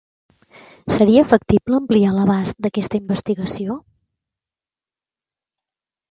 Seria factible ampliar l'abast d'aquesta investigació?